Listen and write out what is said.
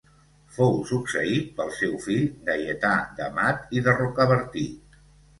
Fou succeït pel seu fill Gaietà d'Amat i de Rocabertí.